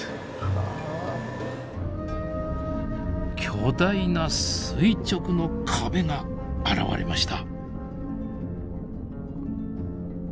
巨大な垂直の壁が現れました。